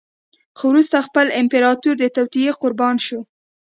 خو وروسته خپله امپراتور د توطیې قربان شو.